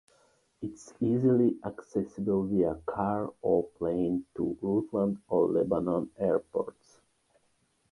It is easily accessible via car or plane to Rutland or Lebanon Airports.